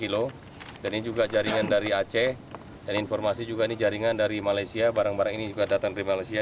ini juga jaringan dari aceh dan informasi juga ini jaringan dari malaysia barang barang ini juga datang dari malaysia